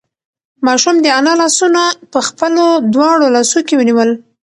ماشوم د انا لاسونه په خپلو دواړو لاسو کې ونیول.